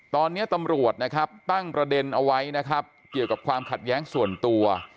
ตอนนี้ตำรวจนะครับตั้งประเด็นเอาไว้นะครับเกี่ยวกับความขัดแย้งส่วนตัว